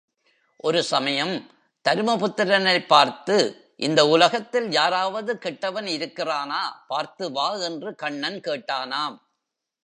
ஒரு சமயம் தருமபுத்திரனைப் பார்த்து, இந்த உலகத்தில் யாராவது கெட்டவன் இருக்கிறானா, பார்த்து வா என்று கண்ணன் கேட்டானாம்.